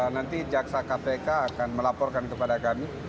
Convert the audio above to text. nanti jaksa kpk akan melaporkan kepada kami